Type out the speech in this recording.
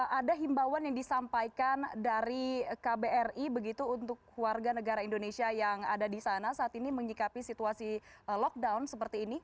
ada himbauan yang disampaikan dari kbri begitu untuk warga negara indonesia yang ada di sana saat ini menyikapi situasi lockdown seperti ini